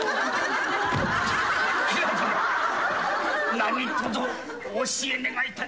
何とぞお教え願いたい。